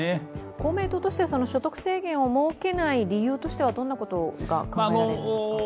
公明党としては所得制限を設けない理由としてどんなことが考えられますか？